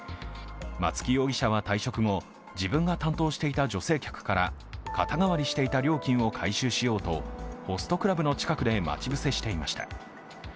松木容疑者は退職後自分が担当していた女性客から肩代わりしていた料金を回収しようとホストクラブの近くで待ち伏せしていました。